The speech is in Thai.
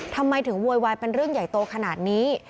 ทำไมถึงโวยวายเป็นเรื่องใหญ่โตขนาดนี้